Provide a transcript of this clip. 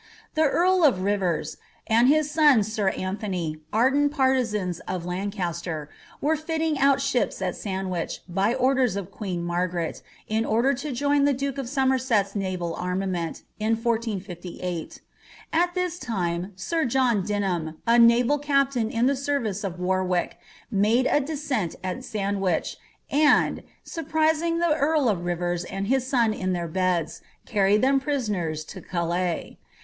The earl of Rivera, and his son sir Anthony, ardent partisans of Lancaster, were fitting out ships at Sandwich, by orders of queen Margaret, in order to join the duke of Somerset's naval arma ment in 1458. At this time sir John Dinham, a haral captain in the •errice of Warwick, made a descent at Sandwich, and, surprising the earl of Rirers and his son in their beds, carried them prisoners to Calais.